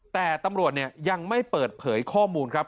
แต่ตำรวจยังไม่เปิดเผยข้อมูลครับ